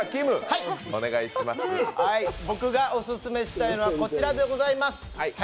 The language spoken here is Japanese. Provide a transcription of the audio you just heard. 僕がオススメしたいのはこちらでございます。